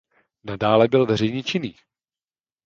Nadále byl veřejně činný.